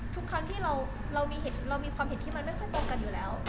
ทุกครั้งที่เรามีความเห็นที่มันไม่ค่อยตรงกันอยู่แล้ว